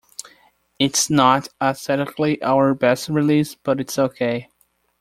It's not aesthetically our best release, but it's okay.